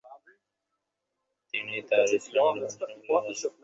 তিনি তার ইসলাম গ্রহণ সম্পর্কে বলেন: